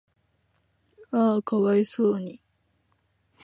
嗚呼可哀想に